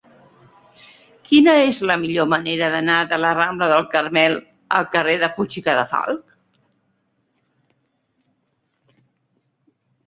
Quina és la millor manera d'anar de la rambla del Carmel al carrer de Puig i Cadafalch?